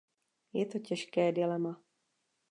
Je to těžké dilema.